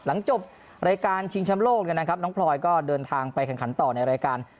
หลังจบรายการชิงชำโลกเนี่ยนะครับน้องพลอยก็เดินทางไปแข่งขันต่อในรายการ